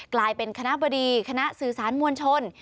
กลายเป็นคณะบดีคณะสื่อสารมวลชน